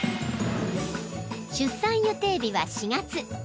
［出産予定日は４月］